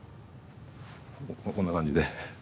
こんな感じで。